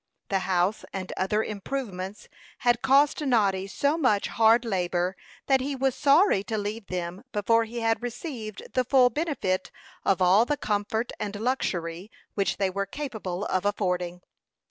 The house and other improvements had cost Noddy so much hard labor that he was sorry to leave them before he had received the full benefit of all the comfort and luxury which they were capable of affording.